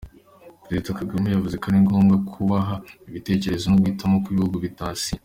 Perezida Kagame yavuze ko ari ngombwa kubaha ibitekerezo n’uguhitamo kw’ibihugu bitasinye.